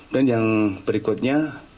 dan yang berikutnya